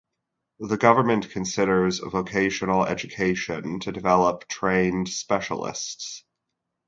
The government considers vocational education to develop trained specialists.